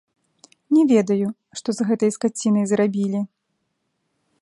Не ведаю, што з гэтай скацінай зрабілі.